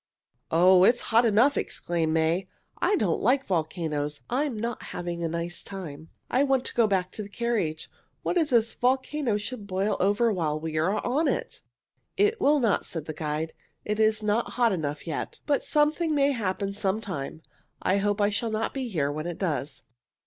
"Oh, it's hot enough!" exclaimed May. "I don't like volcanoes. I'm not having a nice time. I want to go back to the carriage. What if the volcano should boil over while we are on it?" "It will not," said the guide. "It is not hot enough yet. But something may happen some time. I hope I shall not be here when it does.